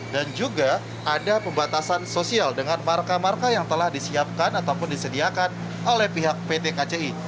dan juga ada pembatasan sosial dengan marka marka yang telah disiapkan ataupun disediakan oleh pihak pt kci